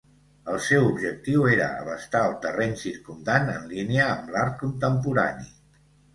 El seu objectiu era abastar el terreny circumdant en línia amb l'art contemporani.